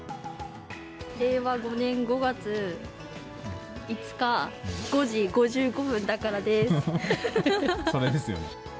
令和５年５月５日５時５５分それですよね。